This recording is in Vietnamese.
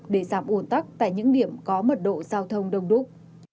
để giảm ồn tắc tại những điểm có mật độ giao thông đông đúc